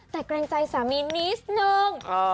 แต่แกร่งใจสามีนี้นึงเออ